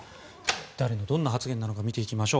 誰のどんな発言なのか見ていきますと